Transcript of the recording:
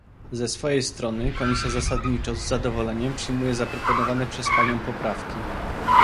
Ze swej strony Komisja zasadniczo z zadowoleniem przyjmuje zaproponowane przez panią poprawki